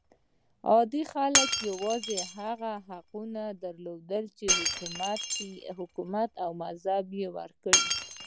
عادي خلک یوازې هغه حقوق درلودل چې حکومت او مذهب یې ورکړي.